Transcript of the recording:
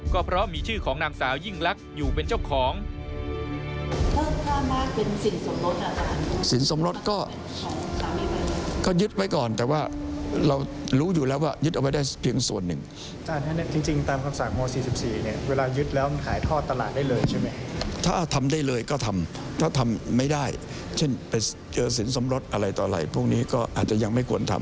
ก็เพราะมีชื่อของนางสาวยิ่งลักษณ์อยู่เป็นเจ้าของ